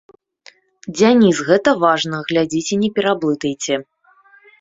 Дзяніс, гэта важна, глядзіце, не пераблытайце.